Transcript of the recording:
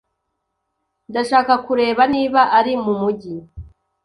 Ndashaka kureba niba ari mumujyi.